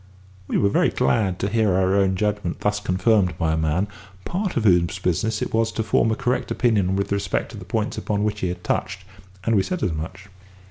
We were very glad to hear our own judgment thus confirmed by a man, part of whose business it was to form a correct opinion with respect to the points upon which he had touched, and we said as much.